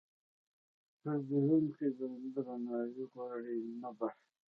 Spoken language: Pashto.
پیرودونکی درناوی غواړي، نه بحث.